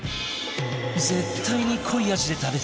絶対に濃い味で食べたい！